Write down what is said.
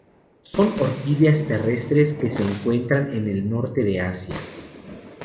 Son orquídeas terrestres que se encuentran en el norte de Asia.